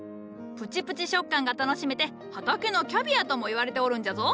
プチプチ食感が楽しめて畑のキャビアともいわれておるんじゃぞ。